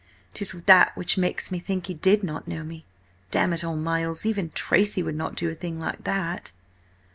'Tis that which makes me think he did not know me. Damn it all, Miles, even Tracy would not do a thing like that!"